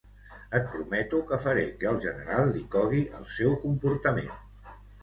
Et prometo que faré que al General li cogui el seu comportament.